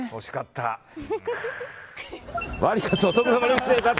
ワリカツ！